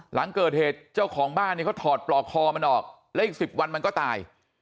หลังเกิดเหตุเจ้าของบ้านเนี่ยเขาถอดปลอกคอมันออกและอีก๑๐วันมันก็ตาย